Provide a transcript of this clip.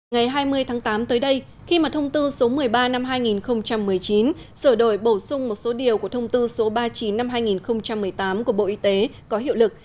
ngày hai mươi tháng tám tới đây khi mà thông tư số một mươi ba năm hai nghìn một mươi chín sửa đổi bổ sung một số điều của thông tư số ba mươi chín năm hai nghìn một mươi tám của bộ y tế có hiệu lực